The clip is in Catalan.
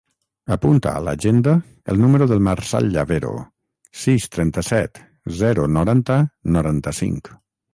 Apunta a l'agenda el número del Marçal Llavero: sis, trenta-set, zero, noranta, noranta-cinc.